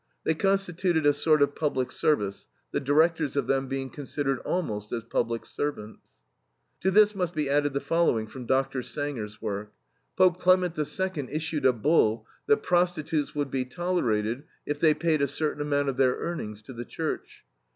They constituted a sort of public service, the directors of them being considered almost as public servants." To this must be added the following from Dr. Sanger's work: "Pope Clement II. issued a bull that prostitutes would be tolerated if they pay a certain amount of their earnings to the Church.